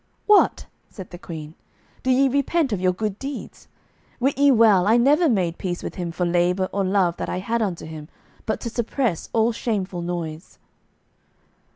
"What," said the Queen, "do ye repent of your good deeds? Wit ye well I never made peace with him for labour or love that I had unto him, but to suppress all shameful noise."